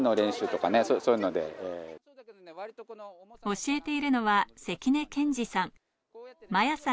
教えているのは関根健司さん。